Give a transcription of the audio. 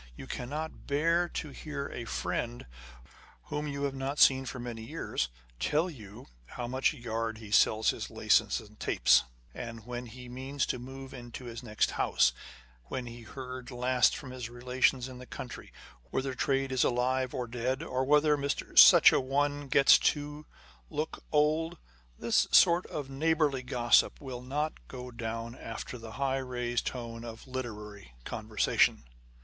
You cannot bear to hear a friend whom you have not seen for many years, tell at how much a yard he sells his laces and tapes, when he means to move into his next house, when he heard last from his relations in the country, whether trade is alive or dead, or whether Mr. Such a one gets to look old. This .sort of neighbourly gossip will not go down after the high raised tone of literary con versation.